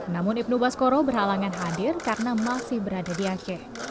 namun ibnu baskoro berhalangan hadir karena masih berada di aceh